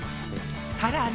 さらに。